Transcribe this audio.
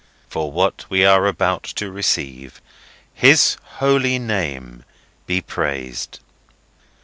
For what we are going to receive His holy name be praised!"